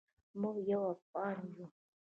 موږ یو افغان یو.